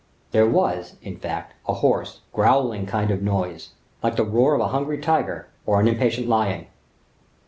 There was, in fact, a hoarse, growling kind of noise, like the roar of a hungry tiger, or an impatient lion.